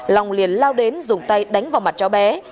long liền lao đến dùng tay đánh vào mặt cháu bé